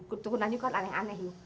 keturunan ibu kan aneh aneh ibu